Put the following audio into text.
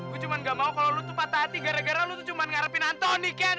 gue cuma nggak mau kalau lo tuh patah hati gara gara lo tuh cuma ngarepin anthony ken